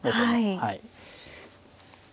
はい。